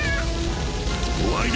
終わりだ！